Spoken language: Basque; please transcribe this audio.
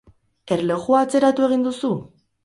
Erlojua atzeratu egin duzu?